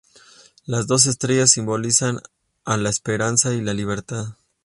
Las dos estrellas simbolizan a la esperanza y la libertad.